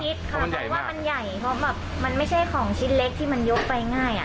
เพราะว่ามันใหญ่เพราะแบบมันไม่ใช่ของชิ้นเล็กที่มันยกไปง่าย